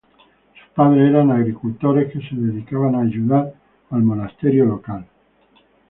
Sus padres eran agricultores que se dedicaban a ayudar el monasterio local.